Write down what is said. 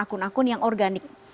akun akun yang organik